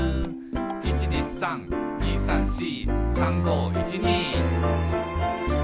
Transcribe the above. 「１２３２３４」「３５１２」